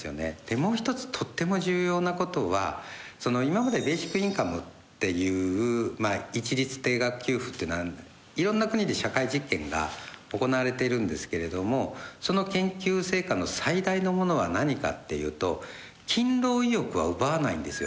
もうひとつとっても重要なことは今までベーシックインカムっていう一律定額給付ってのはいろんな国で社会実験が行われているんですけれどもその研究成果の最大のものは何かっていうと勤労意欲は奪わないんですよ。